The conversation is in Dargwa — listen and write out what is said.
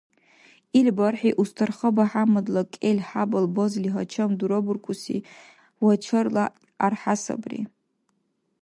Ил бархӀи Устарха БяхӀяммадла кӀел-хӀябал базли гьачам дурабуркӀуси вачарла архӀя сабри.